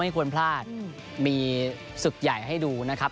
ควรพลาดมีศึกใหญ่ให้ดูนะครับ